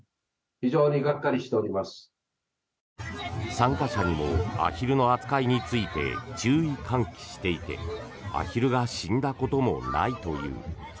参加者にもアヒルの扱いについて注意喚起していてアヒルが死んだこともないという。